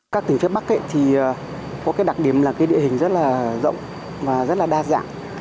các tỉnh phía bắc có đặc điểm là địa hình rất rộng và rất đa dạng